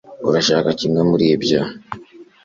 Urashaka kimwe muri ibyo